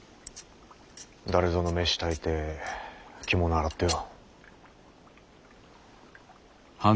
誰ぞの飯炊いて着物洗ってよ。